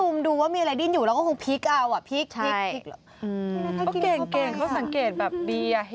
มันไม่เห็นอาจจะแบบ